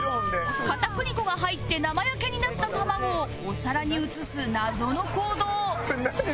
片栗粉が入って生焼けになった卵をお皿に移す謎の行動何？